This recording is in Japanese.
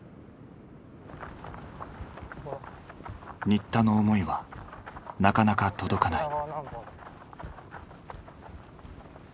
新田の思いはなかなか届かない。